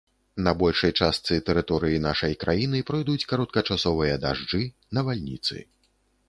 На большай частцы тэрыторыі нашай краіны пройдуць кароткачасовыя дажджы, навальніцы.